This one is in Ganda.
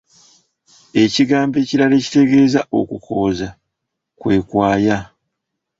Ekigambo ekirala ekitegeeza okukooza kwe kwaya.